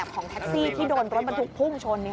ของแท็กซี่ที่โดนรถบรรทุกพุ่งชน